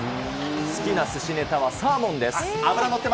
好きなすしねたはサーモンです。